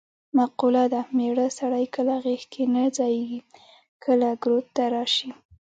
مقوله ده: مېړه سړی کله غېږ کې نه ځایېږې کله ګروت ته راشي.